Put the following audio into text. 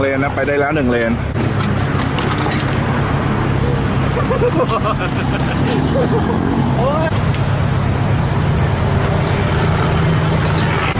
เพราะฉะนั้นช่วงนั้นมันยาวเพราะติดยาวก็มา